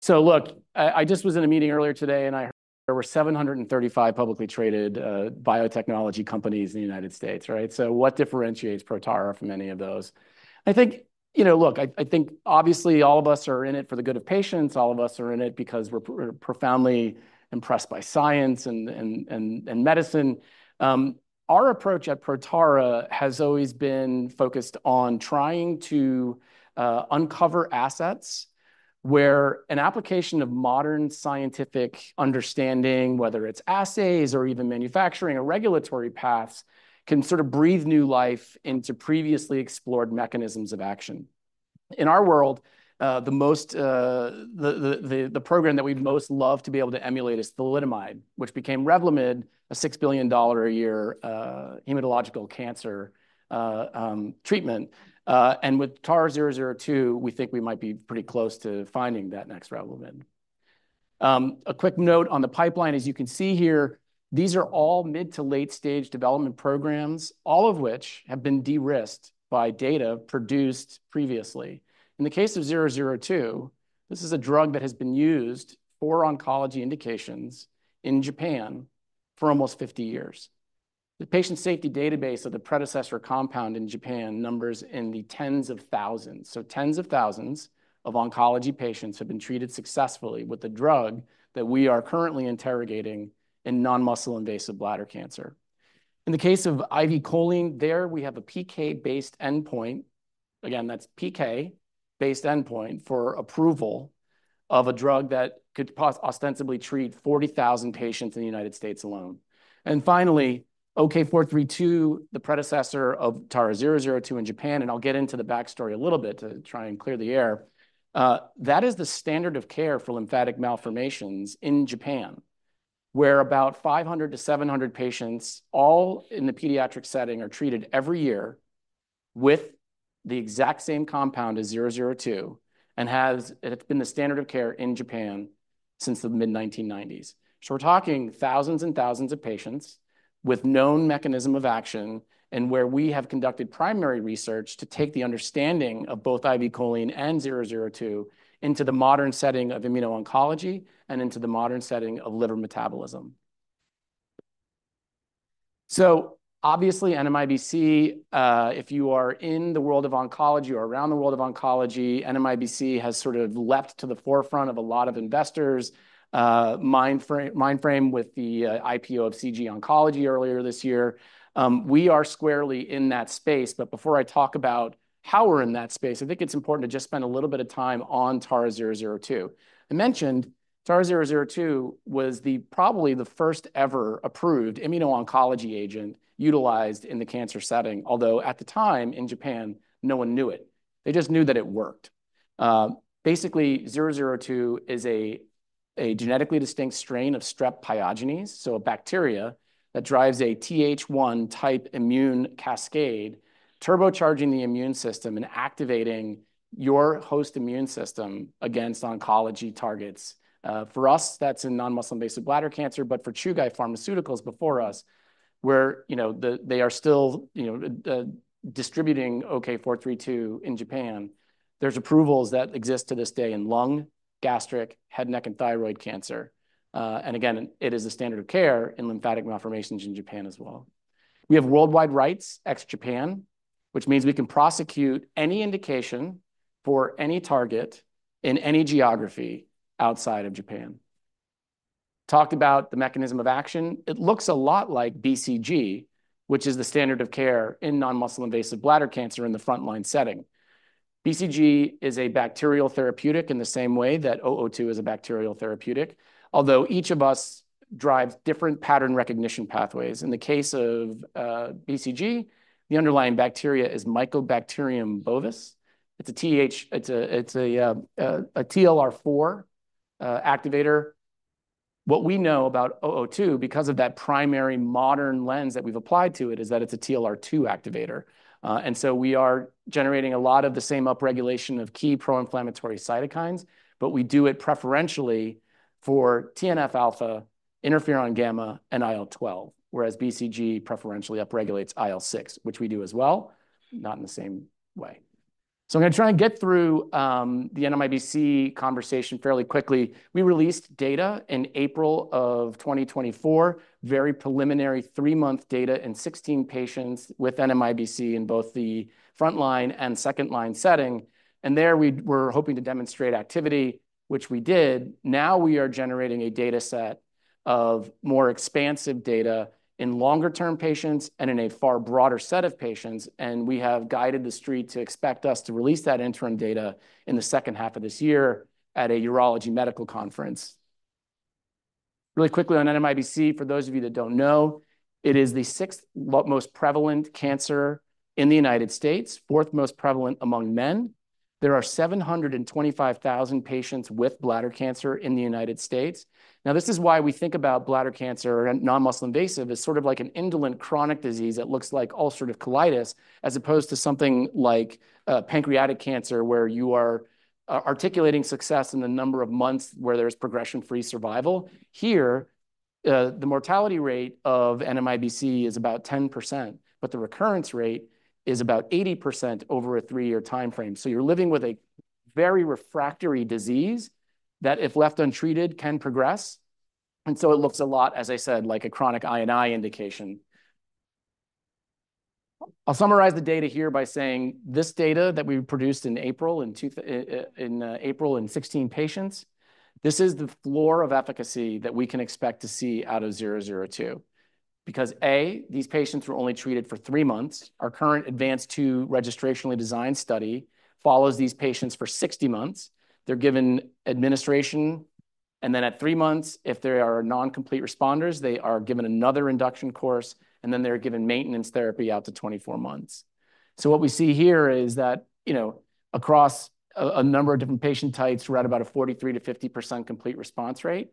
So look, I just was in a meeting earlier today, and I heard there were seven hundred and thirty-five publicly traded biotechnology companies in the United States, right? So what differentiates Protara from any of those? I think, you know, look, I think obviously all of us are in it for the good of patients. All of us are in it because we're profoundly impressed by science and medicine. Our approach at Protara has always been focused on trying to uncover assets, where an application of modern scientific understanding, whether it's assays or even manufacturing or regulatory paths, can sort of breathe new life into previously explored mechanisms of action. In our world, the program that we'd most love to be able to emulate is thalidomide, which became Revlimid, a $6 billion a year hematological cancer treatment. And with TARA-002, we think we might be pretty close to finding that next Revlimid. A quick note on the pipeline, as you can see here, these are all mid- to late-stage development programs, all of which have been de-risked by data produced previously. In the case of 002, this is a drug that has been used for oncology indications in Japan for almost fifty years. The patient safety database of the predecessor compound in Japan numbers in the tens of thousands. So tens of thousands of oncology patients have been treated successfully with the drug that we are currently interrogating in non-muscle invasive bladder cancer. In the case of IV Choline, there we have a PK-based endpoint. Again, that's PK-based endpoint for approval of a drug that could ostensibly treat 40,000 patients in the United States alone, and finally, OK-432, the predecessor of TARA-002 in Japan, and I'll get into the backstory a little bit to try and clear the air. That is the standard of care for lymphatic malformations in Japan, where about 500-700 patients, all in the pediatric setting, are treated every year with the exact same compound as 002, and it's been the standard of care in Japan since the mid-1990s. So we're talking thousands and thousands of patients with known mechanism of action, and where we have conducted primary research to take the understanding of both IV Choline and 002 into the modern setting of immuno-oncology and into the modern setting of liver metabolism. So obviously, NMIBC, if you are in the world of oncology or around the world of oncology, NMIBC has sort of leapt to the forefront of a lot of investors' mind frame with the IPO of CG Oncology earlier this year. We are squarely in that space, but before I talk about how we're in that space, I think it's important to just spend a little bit of time on TARA-002. I mentioned TARA-002 was probably the first ever approved immuno-oncology agent utilized in the cancer setting, although at the time in Japan, no one knew it. They just knew that it worked. Basically, TARA-002 is a genetically distinct strain of Strep pyogenes, so a bacteria that drives a TH1-type immune cascade, turbocharging the immune system and activating your host immune system against oncology targets. For us, that's in non-muscle invasive bladder cancer, but for Chugai Pharmaceutical before us, where you know they are still you know distributing OK-432 in Japan, there's approvals that exist to this day in lung, gastric, head, neck, and thyroid cancer. And again, it is the standard of care in lymphatic malformations in Japan as well. We have worldwide rights, ex Japan, which means we can pursue any indication for any target in any geography outside of Japan. Talked about the mechanism of action. It looks a lot like BCG, which is the standard of care in non-muscle invasive bladder cancer in the front-line setting. BCG is a bacterial therapeutic in the same way that 002 is a bacterial therapeutic, although each of us drive different pattern recognition pathways. In the case of BCG, the underlying bacteria is Mycobacterium bovis. It's a TLR4 activator. What we know about 002, because of that primary modern lens that we've applied to it, is that it's a TLR2 activator. and so we are generating a lot of the same upregulation of key pro-inflammatory cytokines, but we do it preferentially for TNF-alpha, Interferon-gamma, and IL-12, whereas BCG preferentially upregulates IL-6, which we do as well, not in the same way. So I'm gonna try and get through the NMIBC conversation fairly quickly. We released data in April of 2024, very preliminary three-month data in 16 patients with NMIBC in both the front-line and second-line setting. And there, we're hoping to demonstrate activity, which we did. Now we are generating a dataset of more expansive data in longer-term patients and in a far broader set of patients, and we have guided the street to expect us to release that interim data in the second half of this year at a urology medical conference. Really quickly on NMIBC, for those of you that don't know, it is the sixth most prevalent cancer in the United States, fourth most prevalent among men. There are 725,000 patients with bladder cancer in the United States. Now, this is why we think about bladder cancer and non-muscle invasive as sort of like an indolent chronic disease that looks like ulcerative colitis, as opposed to something like pancreatic cancer, where you are articulating success in the number of months where there's progression-free survival. Here, the mortality rate of NMIBC is about 10%, but the recurrence rate is about 80% over a three-year timeframe. So you're living with a very refractory disease, that if left untreated, can progress, and so it looks a lot, as I said, like a chronic NMIBC indication. I’ll summarize the data here by saying this data that we produced in April 2016 in 16 patients, this is the floor of efficacy that we can expect to see out of 002. Because, a, these patients were only treated for three months. Our current ADVANCE-II registrational design study follows these patients for 60 months. They’re given administration, and then at three months, if they are non-complete responders, they are given another induction course, and then they’re given maintenance therapy out to 24 months. So what we see here is that, you know, across a number of different patient types, we’re at about a 43%-50% complete response rate.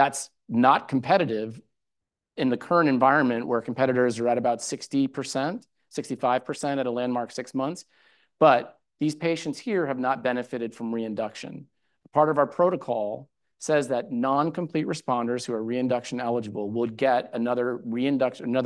That’s not competitive in the current environment, where competitors are at about 60%, 65% at a landmark six months. But these patients here have not benefited from reinduction. Part of our protocol says that non-complete responders who are reinduction eligible would get another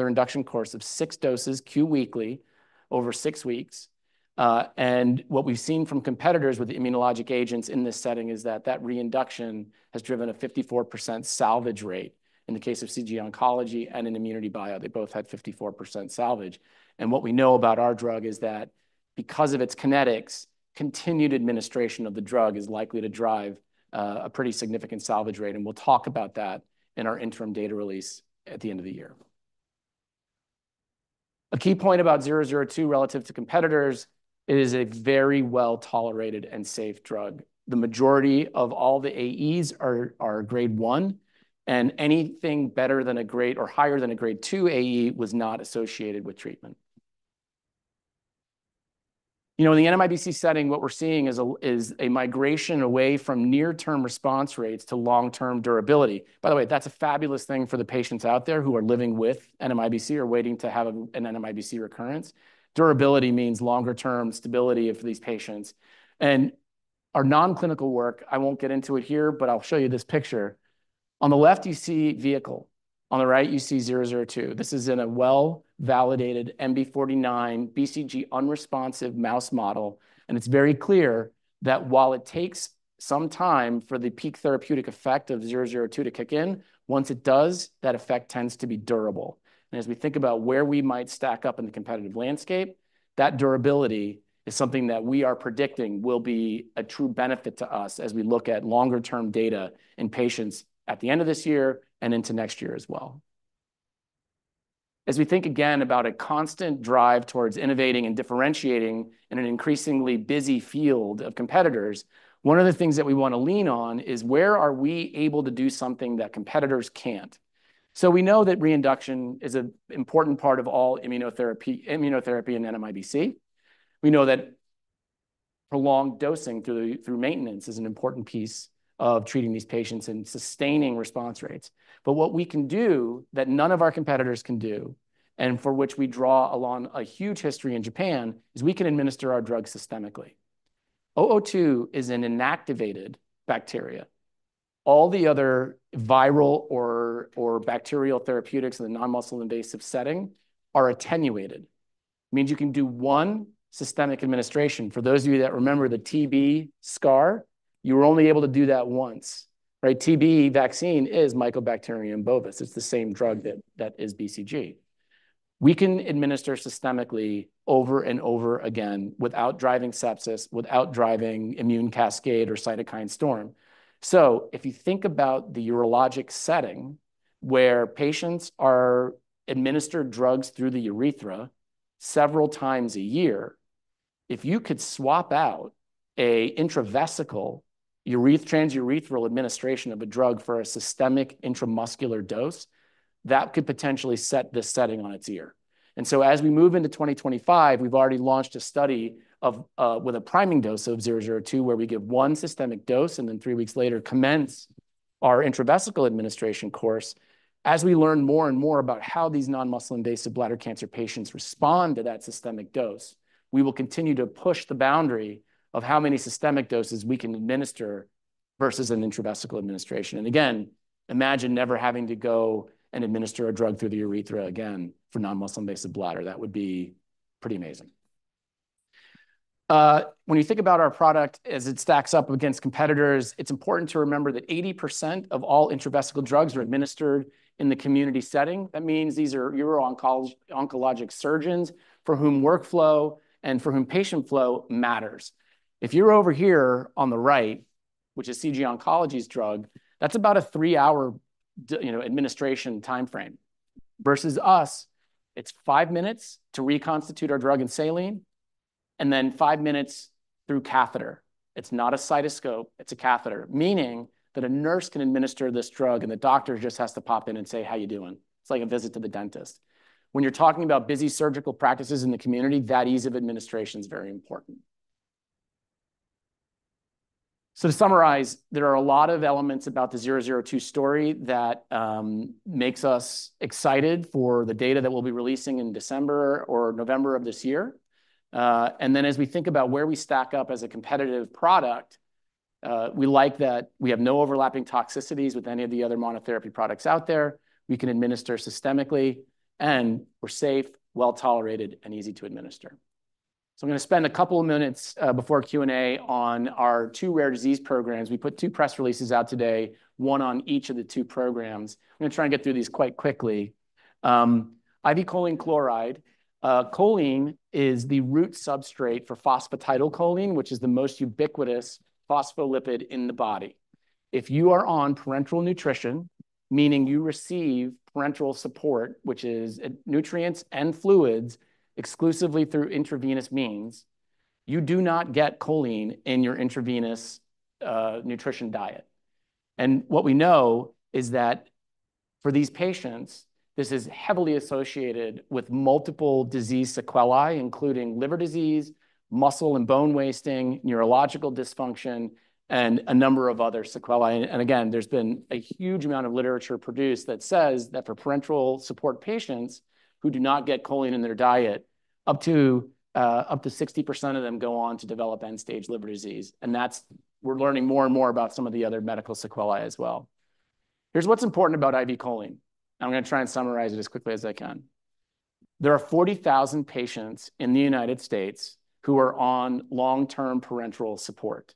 induction course of six doses, Q weekly, over six weeks. And what we've seen from competitors with the immunologic agents in this setting is that that reinduction has driven a 54% salvage rate. In the case of CG Oncology and in ImmunityBio, they both had 54% salvage. And what we know about our drug is that because of its kinetics, continued administration of the drug is likely to drive a pretty significant salvage rate, and we'll talk about that in our interim data release at the end of the year. A key point about 002 relative to competitors. It is a very well-tolerated and safe drug. The majority of all the AEs are Grade 1, and anything better than a grade or higher than a Grade 2 AE was not associated with treatment. You know, in the NMIBC setting, what we're seeing is a migration away from near-term response rates to long-term durability. By the way, that's a fabulous thing for the patients out there who are living with NMIBC or waiting to have an NMIBC recurrence. Durability means longer-term stability of these patients, and our non-clinical work, I won't get into it here, but I'll show you this picture. On the left, you see vehicle. On the right, you see 002. This is in a well-validated MB49 BCG-unresponsive mouse model, and it's very clear that while it takes some time for the peak therapeutic effect of 002 to kick in, once it does, that effect tends to be durable. And as we think about where we might stack up in the competitive landscape, that durability is something that we are predicting will be a true benefit to us as we look at longer-term data in patients at the end of this year and into next year as well. As we think again about a constant drive towards innovating and differentiating in an increasingly busy field of competitors, one of the things that we want to lean on is: where are we able to do something that competitors can't? So we know that reinduction is an important part of all immunotherapy and NMIBC. We know that prolonged dosing through maintenance is an important piece of treating these patients and sustaining response rates. But what we can do that none of our competitors can do, and for which we draw along a huge history in Japan, is we can administer our drug systemically. 002 is an inactivated bacteria. All the other viral or bacterial therapeutics in the non-muscle invasive setting are attenuated. It means you can do one systemic administration. For those of you that remember the TB scar, you were only able to do that once, right? TB vaccine is Mycobacterium bovis. It's the same drug that is BCG. We can administer systemically over and over again without driving sepsis, without driving immune cascade or cytokine storm. So if you think about the urologic setting, where patients are administered drugs through the urethra several times a year, if you could swap out an intravesical transurethral administration of a drug for a systemic intramuscular dose, that could potentially set this setting on its ear. And so as we move into 2025, we've already launched a study of with a priming dose of 002, where we give one systemic dose, and then three weeks later, commence our intravesical administration course. As we learn more and more about how these non-muscle-invasive bladder cancer patients respond to that systemic dose, we will continue to push the boundary of how many systemic doses we can administer versus an intravesical administration. And again, imagine never having to go and administer a drug through the urethra again for non-muscle-invasive bladder. That would be pretty amazing. When you think about our product as it stacks up against competitors, it's important to remember that 80% of all intravesical drugs are administered in the community setting. That means these are uro-oncology, oncologic surgeons for whom workflow and for whom patient flow matters. If you're over here on the right, which is CG Oncology's drug, that's about a three-hour you know, administration timeframe. Versus us, it's five minutes to reconstitute our drug in saline, and then five minutes through catheter. It's not a cystoscope, it's a catheter, meaning that a nurse can administer this drug, and the doctor just has to pop in and say, "How you doing?" It's like a visit to the dentist. When you're talking about busy surgical practices in the community, that ease of administration is very important. To summarize, there are a lot of elements about the 002 story that makes us excited for the data that we'll be releasing in December or November of this year. And then as we think about where we stack up as a competitive product. We like that we have no overlapping toxicities with any of the other monotherapy products out there. We can administer systemically, and we're safe, well-tolerated, and easy to administer. So I'm gonna spend a couple of minutes before Q&A on our two rare disease programs. We put two press releases out today, one on each of the two programs. I'm gonna try and get through these quite quickly. IV Choline Chloride, choline is the root substrate for phosphatidylcholine, which is the most ubiquitous phospholipid in the body. If you are on parenteral nutrition, meaning you receive parenteral support, which is nutrients and fluids exclusively through intravenous means, you do not get choline in your intravenous nutrition diet. And what we know is that for these patients, this is heavily associated with multiple disease sequelae, including liver disease, muscle and bone wasting, neurological dysfunction, and a number of other sequelae. And, again, there's been a huge amount of literature produced that says that for parenteral support patients who do not get choline in their diet, up to 60% of them go on to develop end-stage liver disease. And that's. We're learning more and more about some of the other medical sequelae as well. Here's what's important about IV choline. I'm gonna try and summarize it as quickly as I can. There are 40,000 patients in the United States who are on long-term parenteral support.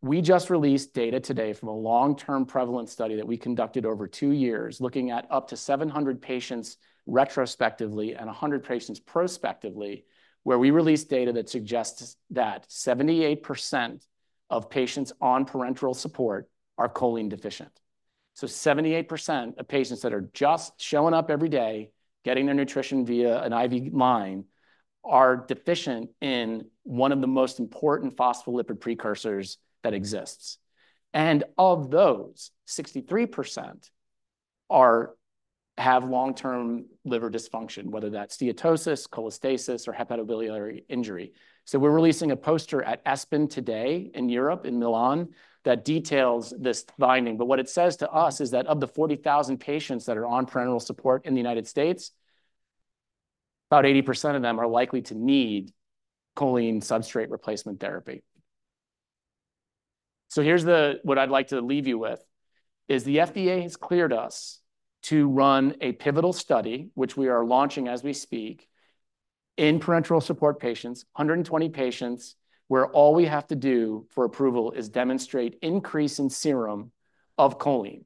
We just released data today from a long-term prevalence study that we conducted over two years, looking at up to 700 patients retrospectively and 100 patients prospectively, where we released data that suggests that 78% of patients on parenteral support are choline deficient. So 78% of patients that are just showing up every day, getting their nutrition via an IV line, are deficient in one of the most important phospholipid precursors that exists. And of those, 63% have long-term liver dysfunction, whether that's steatosis, cholestasis, or hepatobiliary injury. So we're releasing a poster at ESPEN today in Europe, in Milan, that details this finding. But what it says to us is that of the 40,000 patients that are on parenteral support in the United States, about 80% of them are likely to need choline substrate replacement therapy. So here's what I'd like to leave you with, is the FDA has cleared us to run a pivotal study, which we are launching as we speak, in parenteral support patients, 120 patients, where all we have to do for approval is demonstrate increase in serum choline.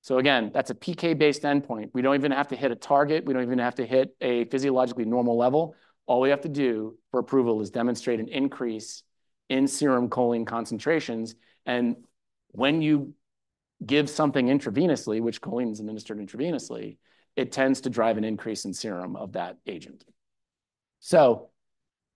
So again, that's a PK-based endpoint. We don't even have to hit a target. We don't even have to hit a physiologically normal level. All we have to do for approval is demonstrate an increase in serum choline concentrations. And when you give something intravenously, which choline is administered intravenously, it tends to drive an increase in serum of that agent. So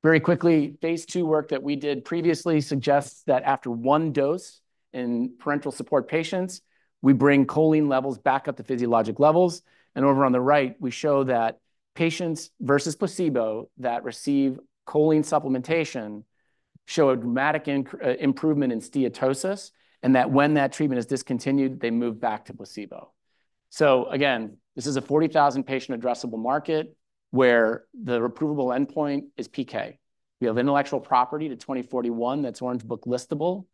very quickly, phase II work that we did previously suggests that after one dose in parenteral support patients, we bring choline levels back up to physiologic levels. And over on the right, we show that patients versus placebo that receive choline supplementation show a dramatic improvement in steatosis, and that when that treatment is discontinued, they move back to placebo. So again, this is a 40,000 patient addressable market where the approvable endpoint is PK. We have intellectual property to 2041 that's Orange Book listable.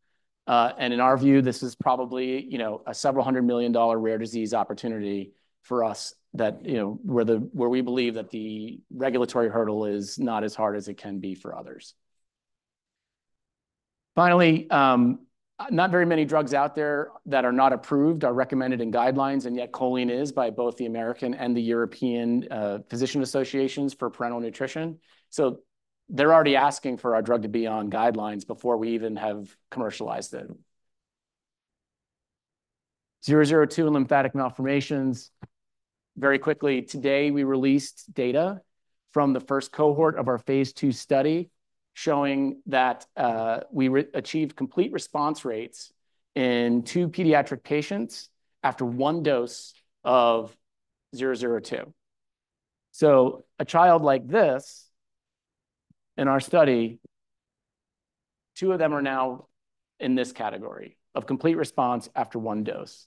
And in our view, this is probably, you know, a several hundred million dollar rare disease opportunity for us that, you know, where the, where we believe that the regulatory hurdle is not as hard as it can be for others. Finally, not very many drugs out there that are not approved are recommended in guidelines, and yet choline is by both the American and the European physician associations for parenteral nutrition. So they're already asking for our drug to be on guidelines before we even have commercialized it. 002 lymphatic malformations. Very quickly, today, we released data from the first cohort of our phase II study, showing that we achieved complete response rates in two pediatric patients after one dose of 002. So a child like this, in our study, two of them are now in this category of complete response after one dose.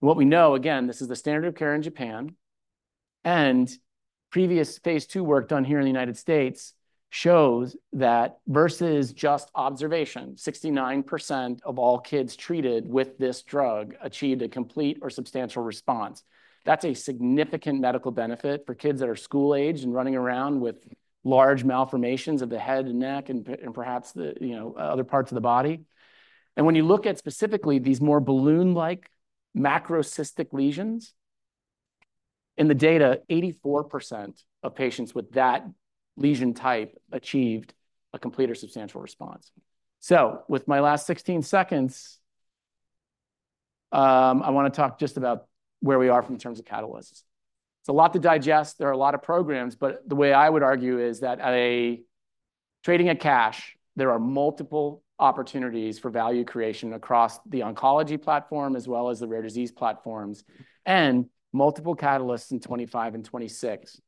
What we know, again, this is the standard of care in Japan, and previous phase II work done here in the United States shows that versus just observation, 69% of all kids treated with this drug achieved a complete or substantial response. That's a significant medical benefit for kids that are school-aged and running around with large malformations of the head and neck and perhaps the, you know, other parts of the body. And when you look at specifically these more balloon-like macrocystic lesions, in the data, 84% of patients with that lesion type achieved a complete or substantial response. So with my last sixteen seconds, I want to talk just about where we are from in terms of catalysts. It's a lot to digest. There are a lot of programs, but the way I would argue is that at our current cash, there are multiple opportunities for value creation across the oncology platform, as well as the rare disease platforms, and multiple catalysts in 2025 and 2026.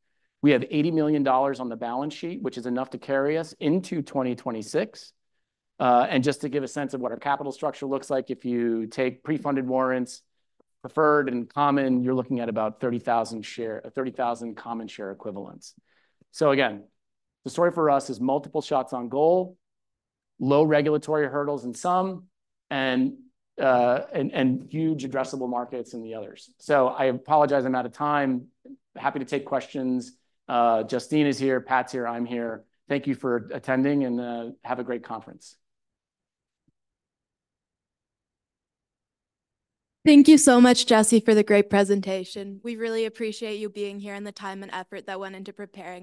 We have $80 million on the balance sheet, which is enough to carry us into 2026, and just to give a sense of what our capital structure looks like, if you take pre-funded warrants, preferred and common, you're looking at about 30,000 common share equivalents. So again, the story for us is multiple shots on goal, low regulatory hurdles in some, and huge addressable markets in the others. So I apologize, I'm out of time. Happy to take questions. Justine is here. Pat's here. I'm here. Thank you for attending, and have a great conference. Thank you so much, Jesse, for the great presentation. We really appreciate you being here and the time and effort that went into preparing it.